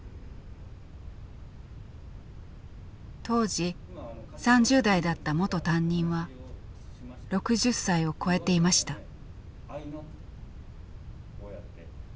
当時３０代だった元担任は６０歳を超えていました。